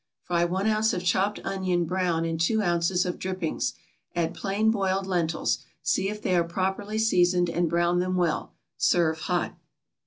= Fry one ounce of chopped onion brown in two ounces of drippings, add plain boiled lentils, see if they are properly seasoned, and brown them well; serve hot.